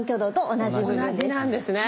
同じなんですね。